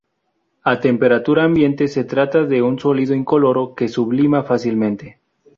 A temperatura ambiente se trata de un sólido incoloro que sublima fácilmente.